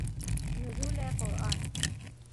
نزول قرآن